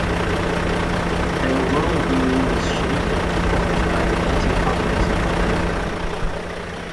Their worldview was shaped and influenced by the anticommunism of that time.